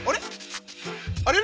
あれ？